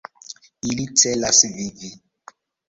Ili celas vivi.